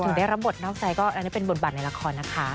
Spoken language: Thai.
ได้รับบทนอกใจก็อันนี้เป็นบทบาทในละครนะคะ